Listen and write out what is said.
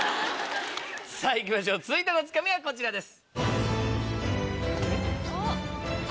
さぁいきましょう続いてのツカミはこちらです。